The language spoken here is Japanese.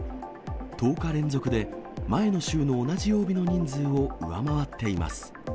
１０日連続で前の週の同じ曜日の人数を上回っています。